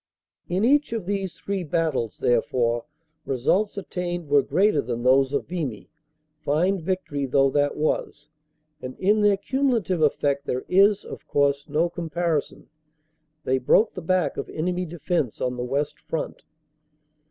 In each of these three battles, therefore, results attained were greater than those of Vimy, fine victory though that was; and in their cumulative effect there is, of course, no compari son. They broke the back of enemy defense on the West Front.